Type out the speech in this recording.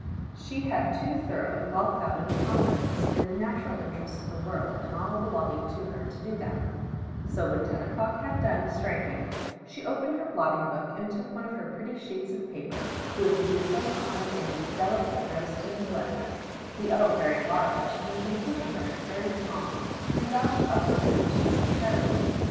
She had too thorough and well founded a confidence in the natural interest of the world in all belonging to her to do tliat ; so when ten o'clock had done striking, she opened her blotting book and took one of her pretty sheets of paper, with J^ oilU on it in delicate rose tinted lettera, the L very large, and the concluding lettera very small, and dashed off her note to Mrs. Chiley.